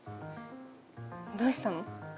どうしたの？